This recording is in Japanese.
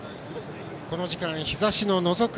この時間日ざしののぞく